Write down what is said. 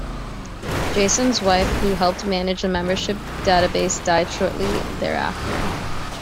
Johnson's wife, who helped manage the membership database, died shortly thereafter.